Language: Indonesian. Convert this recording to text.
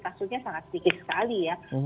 kasusnya sangat sedikit sekali ya